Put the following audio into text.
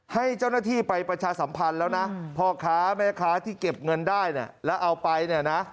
ให้เจ้าหน้าที่ไปประชาสัมพันธ์แล้วนะพ่อค้าแม่ค้าที่เก็บเงินได้เนี่ยแล้วเอาไปเนี่ยนะ